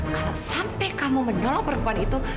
kalau sampai kamu menolong perempuan itu